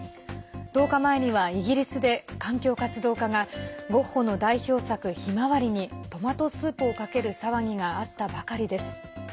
１０日前にはイギリスで環境活動家がゴッホの代表作「ひまわり」にトマトスープをかける騒ぎがあったばかりです。